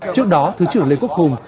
trước đó thứ trưởng lê quốc hùng